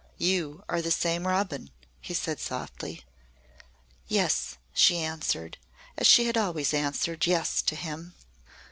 "You are the same Robin," he said softly. "Yes," she answered, as she had always answered "yes" to him.